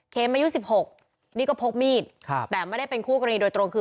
อายุ๑๖นี่ก็พกมีดแต่ไม่ได้เป็นคู่กรณีโดยตรงคือ